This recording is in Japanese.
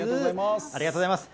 ありがとうございます。